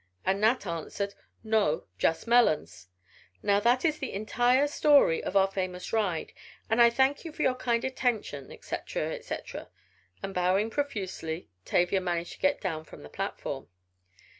and Nat answered, 'No, just melons.' Now that is the entire story of our famous ride, and I thank you for your kind attention, etc., etc.," and bowing profusely Tavia managed to get down from the platform.